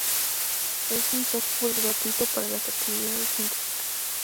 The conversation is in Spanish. Es un software gratuito para las actividades científicas.